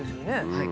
はい。